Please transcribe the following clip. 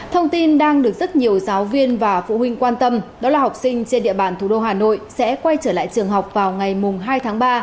thông tin đang được rất nhiều giáo viên và phụ huynh quan tâm đó là học sinh trên địa bàn thủ đô hà nội sẽ quay trở lại trường học vào ngày hai tháng ba